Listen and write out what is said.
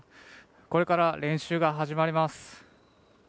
これから練習が始まります。